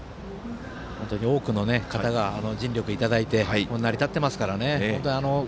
多くの方が尽力いただいて成り立ってますからね。